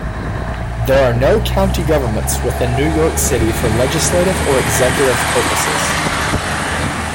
There are no county governments within New York City for legislative or executive purposes.